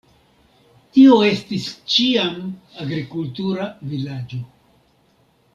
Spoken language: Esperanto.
Tio estis ĉiam agrikultura vilaĝo.